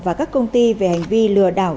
và các công ty về hành vi lừa đảo